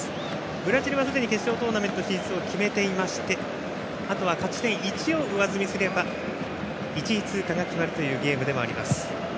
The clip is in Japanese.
ブラジルはすでに決勝トーナメント進出を決めてあとは勝ち点１を上積みすれば１位通過が決まるというゲームでもあります。